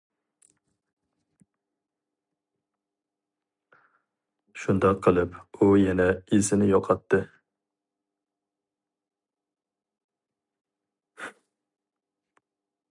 شۇنداق قىلىپ ئۇ يەنە ئېسىنى يوقاتتى.